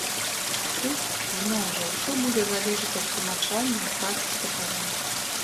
Тут, зноў жа, усё будзе залежыць ад тлумачальнай працы святароў.